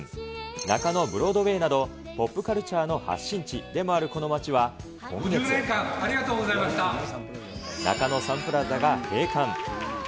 中野ブロードウェイなど、ポップカルチャーの発信地でもあるこの５０年間ありがとうございま中野サンプラザが閉館。